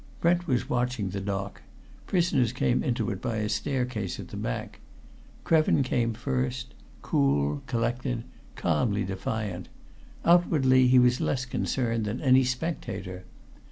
Brent was watching the dock: prisoners came into it by a staircase at the back. Krevin came first: cool, collected, calmly defiant outwardly, he was less concerned than any spectator.